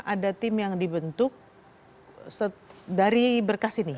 ada tim yang dibentuk dari berkas ini